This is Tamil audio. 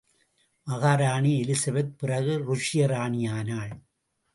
மகாராணி எலிசபெத் பிறகு ருஷ்ய ராணியானாள்.